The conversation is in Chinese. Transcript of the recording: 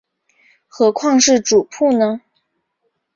何况是主簿呢？